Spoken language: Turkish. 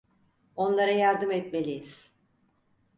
Onlara yardım etmeliyiz.